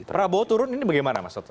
prabowo turun ini bagaimana mas toto